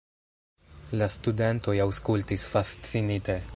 La studentoj aŭskultis fascinite.